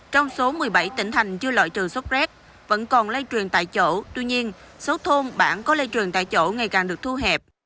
trong số một mươi bảy tỉnh thành chưa loại trừ sốc rét vẫn còn lây truyền tại chỗ tuy nhiên số thôn bản có lây truyền tại chỗ ngày càng được thu hẹp